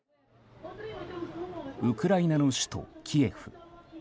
ウクライナの首都キエフ。